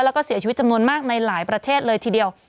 แล้วก็เสียชีวิตจำนวนมากในหลายประเทศเลยทีเดียว